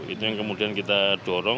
itu yang kemudian kita dorong